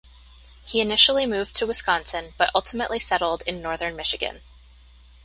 He initially moved to Wisconsin but ultimately settled in northern Michigan.